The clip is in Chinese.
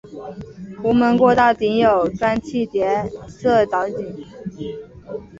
壸门过道顶有砖砌叠涩藻井。